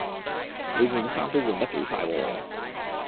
你換衫都換得幾快喎